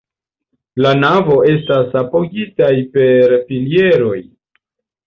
La navo estas apogitaj per pilieroj.